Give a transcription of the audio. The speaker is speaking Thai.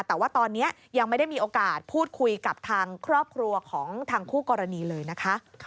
แต่ว่าตอนนี้ยังไม่ได้มีโอกาสพูดคุยกับทางครอบครัวของทางคู่กรณีเลยนะคะ